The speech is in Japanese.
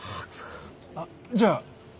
あっじゃあ。